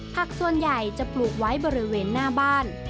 ส่วนใหญ่จะปลูกไว้บริเวณหน้าบ้าน